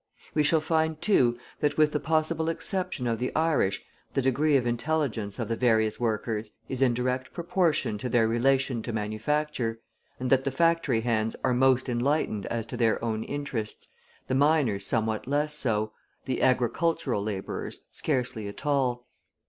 We shall find, too, that with the possible exception of the Irish, the degree of intelligence of the various workers is in direct proportion to their relation to manufacture; and that the factory hands are most enlightened as to their own interests, the miners somewhat less so, the agricultural labourers scarcely at all.